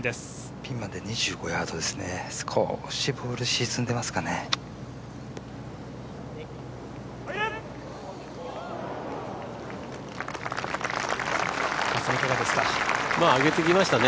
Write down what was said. ピンまで２５ヤードですね、少しボール沈んでいますかね。